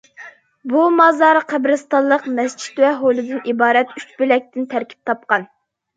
بۇ مازار قەبرىستانلىق، مەسچىت ۋە ھويلىدىن ئىبارەت ئۈچ بۆلەكتىن تەركىب تاپقان.